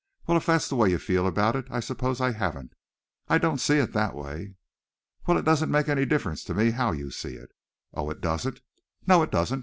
"Well if that's the way you feel about it I suppose I haven't. I don't see it that way." "Well, it doesn't make any difference to me how you see it." "Oh, doesn't it?" "No, it doesn't."